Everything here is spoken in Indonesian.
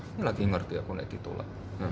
ini lagi ngerti aku yang ditolak